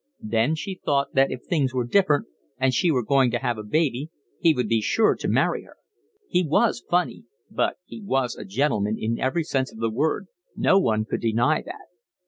Then she thought that if things were different and she were going to have a baby, he would be sure to marry her. He was funny, but he was a gentleman in every sense of the word, no one could deny that.